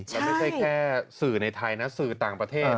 มันไม่ใช่แค่สื่อในไทยนะสื่อต่างประเทศ